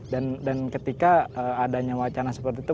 dan ketika adanya wacana seperti itu